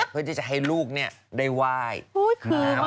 เพื่อที่จะให้ลูกได้ไหว้